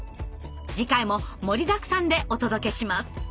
次回も盛りだくさんでお届けします。